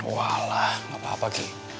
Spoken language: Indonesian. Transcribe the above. walah gapapa ki